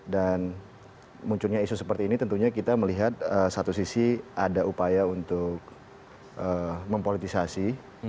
dan munculnya isu seperti ini tentunya kita melihat satu sisi ada upaya untuk mempolitisasi